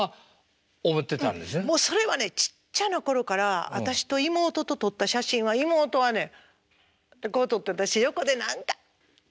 もうそれはねちっちゃな頃から私と妹と撮った写真は妹はねこう撮ってて私横で何かってポーズしてる。